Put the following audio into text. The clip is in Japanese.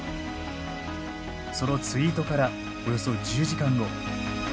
そのツイートからおよそ１０時間後。